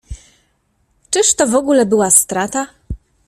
Czyż to w ogóle była strata?